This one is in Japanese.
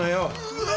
うわ。